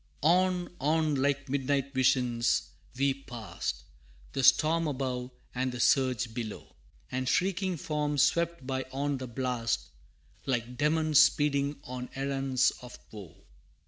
V. On, on, like midnight visions, we passed, The storm above, and the surge below, And shrieking forms swept by on the blast, Like demons speeding on errands of woe.